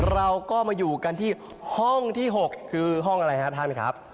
เราก็มาอยู่กันที่ห้องที่๖คือห้องอะไรครับท่านไหมครับ